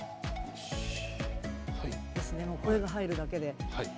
これが入るだけで。